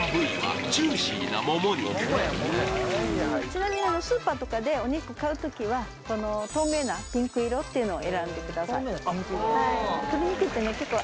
ちなみにスーパーとかでお肉買うときは透明なピンク色っていうのを選んでください